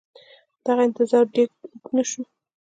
دغه انتظار ډېر اوږد نه شو